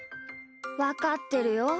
わかってるよ。